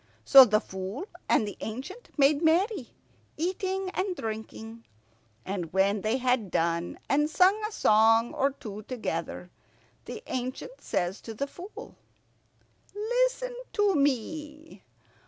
So the Fool and the ancient made merry, eating and drinking; and when they had done, and sung a song or two together, the ancient says to the Fool, "Listen to me.